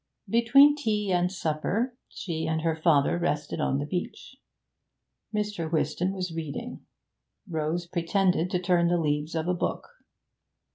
Between tea and supper she and her father rested on the beach. Mr. Whiston was reading. Rose pretended to turn the leaves of a book.